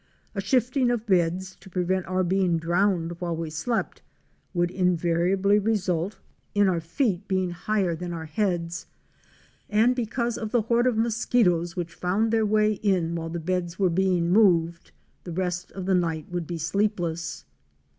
A shifting of beds to prevent our being drowned while we slept would invariably result in our feet being 86 OUR SEARCH FOR A WILDERNESS. higher than our heads, and because of the horde of mosqui toes which found their way in while the beds were being moved, the rest of that night would be sleepless.